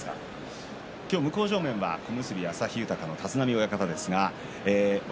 今日、向正面は小結旭豊の立浪親方です。